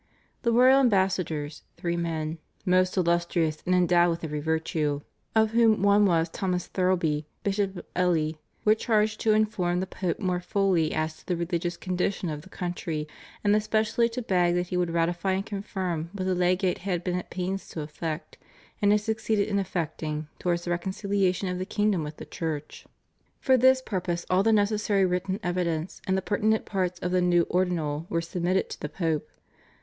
The royal ambassadors — three men, "most illustrious and endowed with every virtue" of whom one was Thomas Thirlby, Bishop of Ely — were charged to inform the Pope more fully as to the religious condition of the country, and especially to beg that he would ratify and confirm what the Legate had been at pains to effect, and had succeeded in effecting, towards the reconcihation of the kingdom with the Church. For this purpose all the necessary written evidence and the pertinent parts of the new Ordinal were submitted to the Pope.